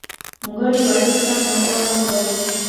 Mgodi wa Cape town na Orland Gold